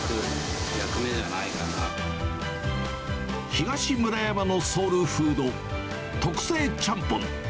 東村山のソウルフード、特製ちゃんぽん。